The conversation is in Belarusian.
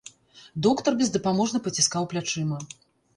Доктар бездапаможна паціскаў плячыма.